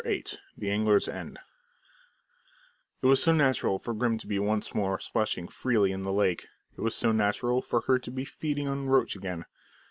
VIII: THE ANGLER'S END It was so natural for Grim to be once more splashing freely in the lake; it was so natural for her to be feeding on roach again.